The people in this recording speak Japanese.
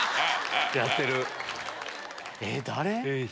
やってる。